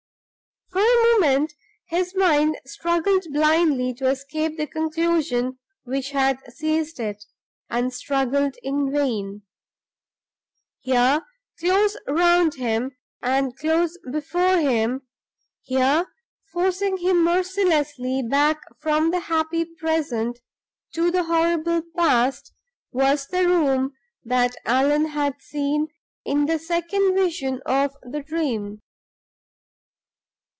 For a moment his mind struggled blindly to escape the conclusion which had seized it, and struggled in vain. Here, close round him and close before him here, forcing him mercilessly back from the happy present to the horrible past, was the room that Allan had seen in the Second Vision of the Dream.